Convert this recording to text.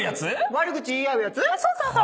悪口言い合うやつ？